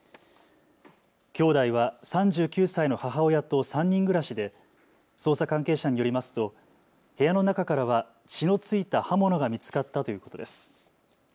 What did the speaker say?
きょうだいは３９歳の母親と３人暮らしで捜査関係者によりますと部屋の中からは血のついた刃物が見つかったということです。